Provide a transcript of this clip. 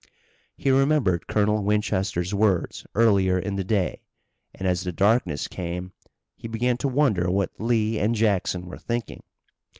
He remembered Colonel Winchester's words earlier in the day, and, as the darkness came, he began to wonder what Lee and Jackson were thinking.